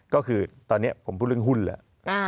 ก็คือตอนนี้ผมพูดเรื่องหุ้นแล้ว